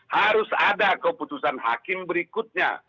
harus ada keputusan hakim berikutnya